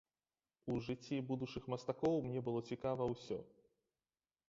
У жыцці будучых мастакоў мне было цікава ўсё.